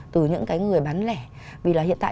từ những cái người bán lẻ vì là hiện tại